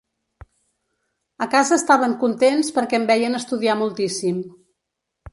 A casa estaven contents perquè em veien estudiar moltíssim.